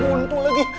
gak buntu lagi